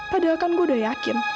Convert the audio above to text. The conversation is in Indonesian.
padahal kan gue udah yakin